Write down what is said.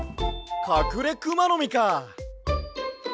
カクレクマノミか！